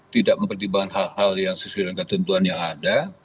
tidak mempertimbangkan hal hal yang sesuai dengan ketentuan yang ada